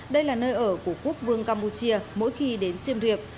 đây là nơi ở của quốc vương campuchia mỗi khi đến siem reap